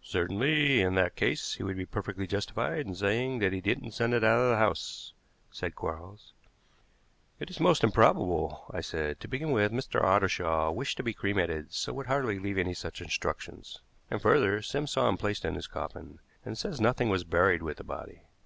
"Certainly in that case he would be perfectly justified in saying that he didn't send it out of the house," said Quarles. "It is most improbable," I said. "To begin with, Mr. Ottershaw wished to be cremated, so would hardly leave any such instructions. And, further, Sims saw him placed in his coffin, and says nothing was buried with the body."